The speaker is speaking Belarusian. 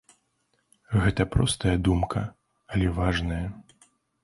Гэта простая думка, але важная.